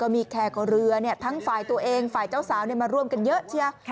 มีแค่เรือทั้งฝ่ายตัวเองฝ่ายเจ้าสาวมาร่วมกันเยอะเชีย